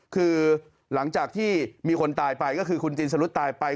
คือหลังจากที่มีคนตายไปก็คือคุณจินสลุดตายไป